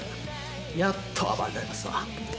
やっと暴れられますわ。